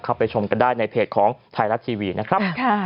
ไปชมกันได้ในเพจของไทยรัฐทีวีนะครับ